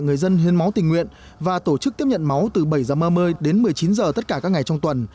người dân hiến máu tình nguyện và tổ chức tiếp nhận máu từ bảy h ba mươi đến một mươi chín h tất cả các ngày trong tuần